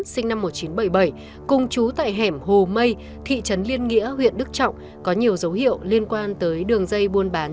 xin chào và hẹn gặp lại